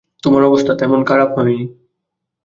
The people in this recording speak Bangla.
তোমার অবস্থা তেমন খারাপ হয় নি।